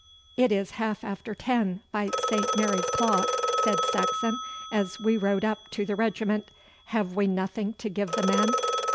'It is half after ten by St. Mary's clock,' said Saxon, as we rode up to the regiment. 'Have we nothing to give the men?